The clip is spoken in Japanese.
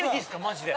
マジで。